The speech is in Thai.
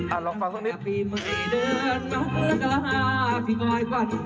อ่าลองฟังสักนิด